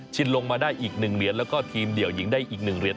ลงมาได้อีก๑เหรียญแล้วก็ทีมเดี่ยวหญิงได้อีก๑เหรียญ